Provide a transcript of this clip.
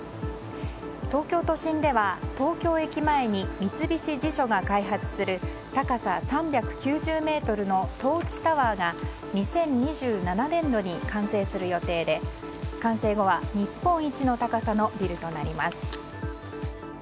東京都心では東京駅前に三菱地所が開発する高さ３９０ｍのトーチタワーが２０２７年度に完成する予定で完成後は日本一の高さのビルとなります。